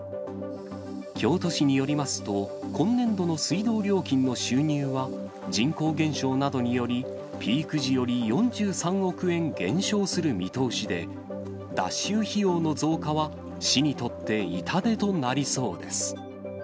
京都市によりますと、今年度の水道料金の収入は、人口減少などにより、ピーク時より４３億円減少する見通しで、脱臭費用の増加は、市にとって痛手となりそうです。